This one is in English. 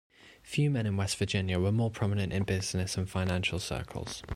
Few men in West Virginia were more prominent in business and financial circles.